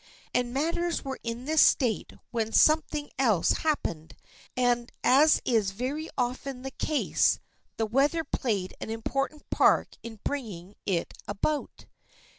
And matters were in this state when something else happened, and as is very often the case, the weather played an important part in bringing it about.